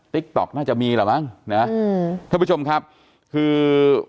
ติ๊กต๊อกน่าจะมีหรอบ้างนะฮะอืมท่านผู้ชมครับคือ